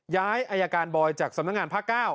ย้ายอัยการบอยจากสำนักงานพระเก้า